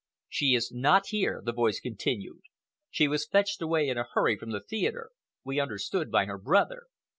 "She is not here," the voice continued. "She was fetched away in a hurry from the theatre—we understood by her brother.